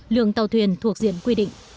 lượng tàu thuyền thuộc diện quy định